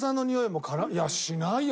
いやしないよ。